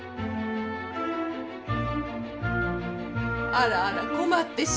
あらあら困ってしまって？